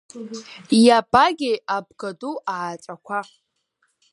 Иабагеи Абгаду ааҵәақәа?